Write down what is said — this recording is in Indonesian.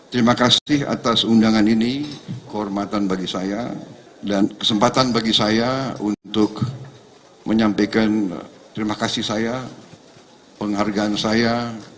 terima kasih atas undangan ini kehormatan bagi saya dan kesempatan bagi saya untuk menyampaikan terima kasih saya penghargaan saya